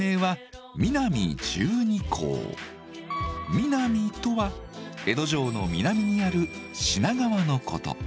「美南見」とは江戸城の南にある品川のこと。